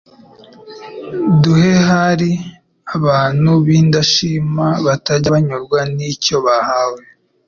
duhe hari abantu b’indashima batajya banyurwa n’icyo bahawe